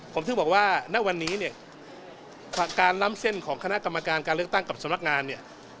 ผมถึงบอกว่าณวันนี้เนี่ยการล้ำเส้นของคณะกรรมการการเลือกตั้งกับสำนักงานเนี่ย